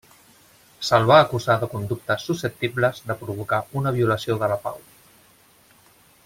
Se'l va acusar de conductes susceptibles de provocar una violació de la pau.